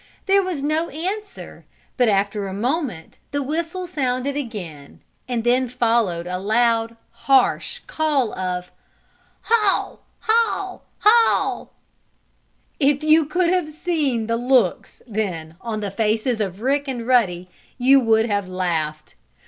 There was no answer, but, after a moment the whistle sounded again, and then followed a loud, harsh call of: "Haw! Haw! Haw!" If you could have seen the looks, then, on the faces of Rick and Ruddy you would have laughed.